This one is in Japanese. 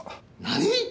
何！？